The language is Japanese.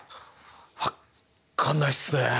わっかんないっすね。